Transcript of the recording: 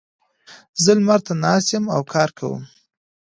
زه لمر ته ناست یم او کار کوم.